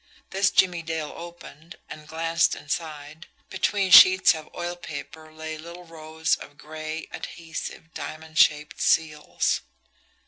This Jimmie Dale opened, and glanced inside between sheets of oil paper lay little rows of GRAY, ADHESIVE, DIAMOND SHAPED SEALS.